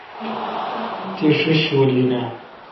تی ݭیݭ شول این آں؟